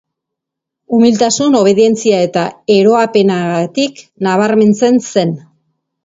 Umiltasun, obedientzia eta eroapenagatik nabarmentzen zen.